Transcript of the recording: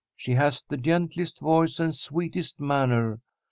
She has the gentlest voice and sweetest manner.